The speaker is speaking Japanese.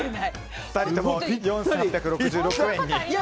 ２人とも４８６６円に。